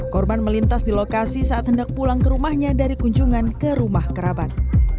korban melintas di lokasi saat hendak pulang ke rumahnya dari kunjungan ke rumah kerabat